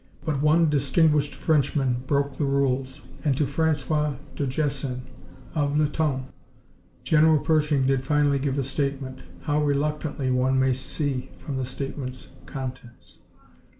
But one distinguished Frenchman broke the rules, and to François de Jessen, of Le Temps, General Pershing did finally give a statement. How reluctantly one may see from the statement's contents.